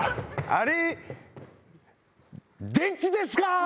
あれ電池ですか！